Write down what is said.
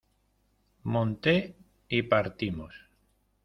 monté y partimos.